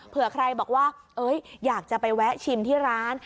เผื่อใครบอกว่าอยากจะไปแวะชิมที่ร้าน